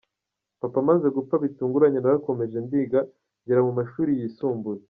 Papa amaze gupfa, bitunguranye, narakomeje ndiga ngera mu mashuri y’ isumbuye.